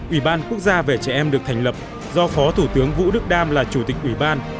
ủy ban quốc gia về trẻ em được thành lập do phó thủ tướng vũ đức đam là chủ tịch ủy ban